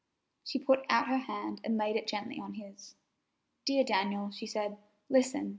She put out her hand and laid it gently on his. "Dear Daniel," she said, "listen!